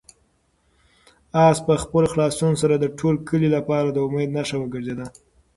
آس په خپل خلاصون سره د ټول کلي لپاره د امید نښه وګرځېده.